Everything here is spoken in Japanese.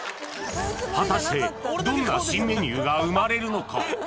果たしてどんな新メニューが生まれるのか？